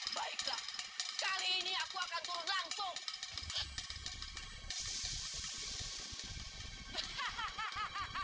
baiklah kali ini aku akan turun langsung